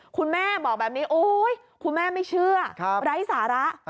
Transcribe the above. คุณแม่บอกแบบนี้โอ๊ยคุณแม่ไม่เชื่อไร้สาระ